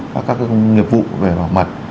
các công nghiệp vụ về bảo mật